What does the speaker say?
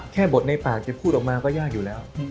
แค่บทในปากจะพูดออกมาก็ยากอยู่แล้ว